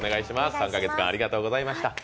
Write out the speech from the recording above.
３カ月間、ありがとうございました。